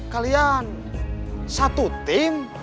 kalian satu tim